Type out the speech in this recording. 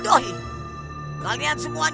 tapi supsea monica gak bercanda